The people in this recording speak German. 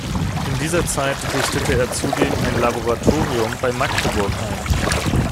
In dieser Zeit richtete er zudem ein Laboratorium bei Magdeburg ein.